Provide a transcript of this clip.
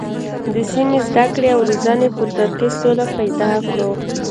د سمې زده کړې او روزنې په تر کې سوله پیدا کړو.